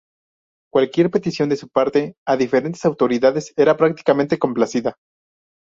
Cualquier petición de su parte, a diferentes autoridades, era prácticamente complacida.